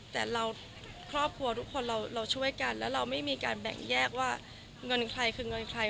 แต่เราครอบครัวทุกคนเราช่วยกันแล้วเราไม่มีการแบ่งแยกว่าเงินใครคือเงินใคร